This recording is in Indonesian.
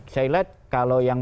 saya lihat kalau yang